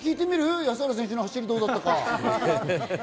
安原選手の走り、どうだったか。